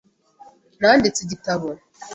Nanditse igitabo .